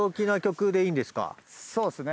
そうっすね。